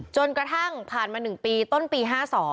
จนกระทั่งผ่านมา๑ปีต้นปี๕๒